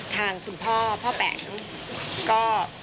ทางคุณพ่อพ่อแป๋งก็